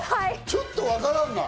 ちょっとわからんな。